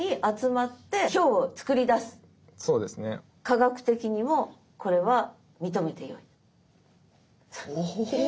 科学的にもこれは認めてよい？へえ。